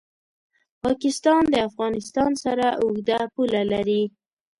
پاکستان د افغانستان سره اوږده پوله لري.